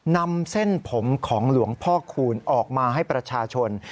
นำเส้นผมของหลวงพ่อคูณออกมาให้ประชาชน